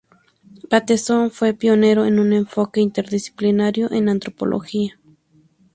Bateson fue pionero en un enfoque interdisciplinario en antropología.